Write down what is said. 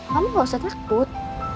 kamu nggak usah takut